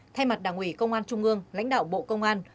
thay mặt đảng ủy công an trung ương lãnh đạo bộ công an